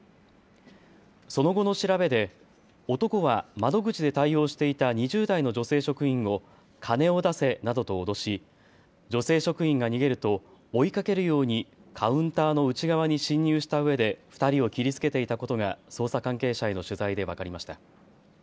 その後の調べで男は窓口で対応していた２０代の女性職員を金を出せなどと脅し女性職員が逃げると追いかけるようにカウンターの内側に侵入したうえで２人を切りつけていたことが捜査関係者への取材で分かりました。